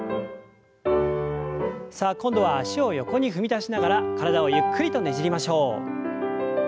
さあ今度は脚を横に踏み出しながら体をゆっくりとねじりましょう。